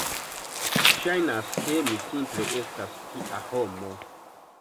Ŝajnas, ke mi simple estas tia homo.